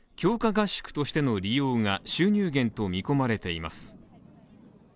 合宿としての利用が収入源と見込まれています